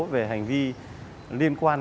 về hành vi liên quan